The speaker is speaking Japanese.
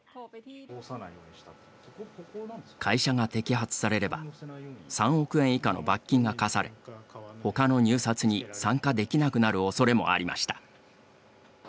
会社が摘発されれば３億円以下の罰金が科されほかの入札に参加できなくなるおそれもありました。